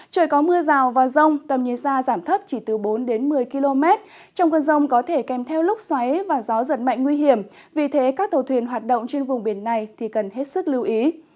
trời có mưa rào và rông tầm nhìn xa giảm thấp chỉ từ bốn một mươi km trong cơn rông có thể kèm theo lúc xoáy và gió giật mạnh nguy hiểm vì thế các tàu thuyền hoạt động trên vùng biển này cần hết sức lưu ý